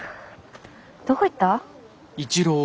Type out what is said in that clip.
どこ行った？